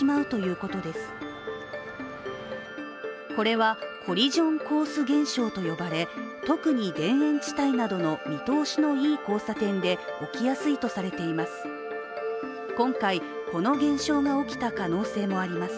これは、コリジョンコース現象と呼ばれ特に田園地帯などの見通しのいい交差点で起きやすいとされています。